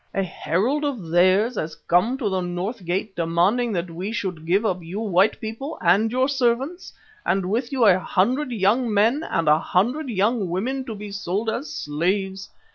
A herald of theirs has come to the north gate demanding that we should give up you white people and your servants, and with you a hundred young men and a hundred young women to be sold as slaves.